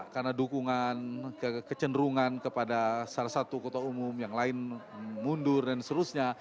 karena dukungan kecenderungan kepada salah satu kota umum yang lain mundur dan seluruhnya